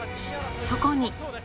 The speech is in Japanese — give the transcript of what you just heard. そこに。